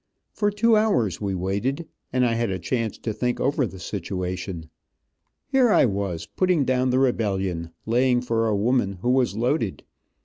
For two hours we waited, and I had a chance to think over the situation. Here I was, putting down the rebellion, laying for a woman, who was loaded.